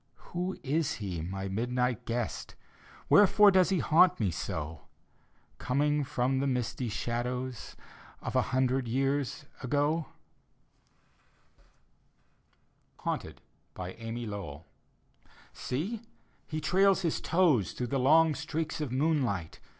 Who is he, my midnight guest? Wherefore does he haunt me so; Coming from the misty ^ladows Of a hundred years i^? HAUNTED : amy lowbll Seel He trails his toes Through the long streaks of moonlight.